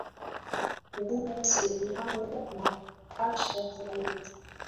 din selumani anakupasha zaidi